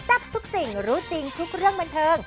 ทับทุกสิ่งรู้จริงทุกเรื่องบันเทิง